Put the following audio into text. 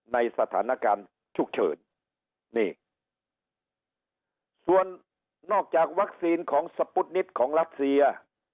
ในสถานการณ์ฉุกเฉินนี่ส่วนนอกจากวัคซีนของสปุ๊ดนิตของรัสเซีย